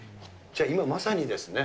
じゃあ、今、まさにですね。